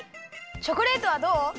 チョコレートはどう？